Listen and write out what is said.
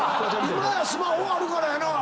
今はスマホあるからやなぁ。